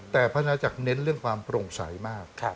แต่พระนาจักรเน้นเรื่องความโปร่งใสมาก